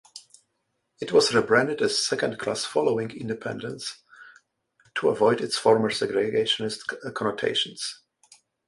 It was re-branded as second class following independence to avoid its former segregationist connotations.